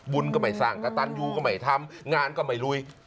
ก็ไม่สร้างกระตันยูก็ไม่ทำงานก็ไม่ลุย